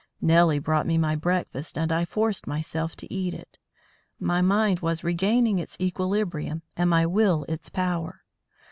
Nellie brought me my breakfast and I forced myself to eat it. My mind was regaining its equilibrium and my will its power.